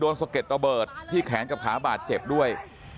สะเก็ดระเบิดที่แขนกับขาบาดเจ็บด้วย